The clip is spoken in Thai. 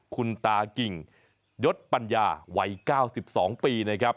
คุณตากิ่งยศปัญญาวัย๙๒ปีนะครับ